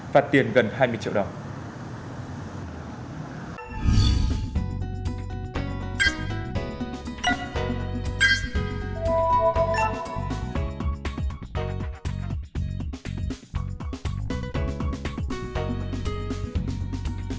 phạt tiền gần hai mươi triệu đồng